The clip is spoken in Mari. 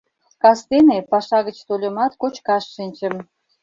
Кастене, паша гыч тольымат, кочкаш шинчым.